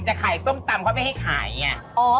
จะขายส้มตำเขาไม่ให้ขายไง